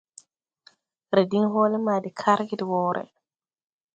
Re diŋ hɔɔle ma de karge de wɔɔre.